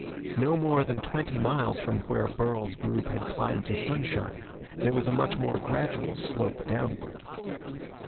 No more than twenty miles from where Burl's group had climbed to sunshine, there was a much more gradual slope downward.